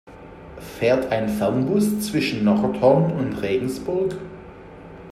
Fährt ein Fernbus zwischen Nordhorn und Regensburg?